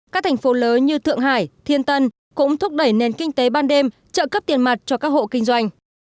các thành phố lớn như thượng hải thiên tân cũng thúc đẩy nền kinh tế ban đêm trợ cấp tiền mặt cho các hộ kinh doanh